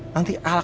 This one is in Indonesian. nanti al akan